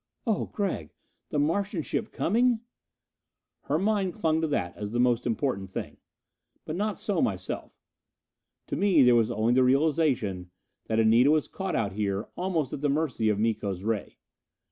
"Oh Gregg, the Martian ship coming!" Her mind clung to that as the most important thing. But not so myself. To me there was only the realization that Anita was caught out here, almost at the mercy of Miko's ray.